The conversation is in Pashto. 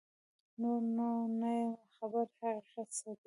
نور نو نه یمه خبر حقیقت څه دی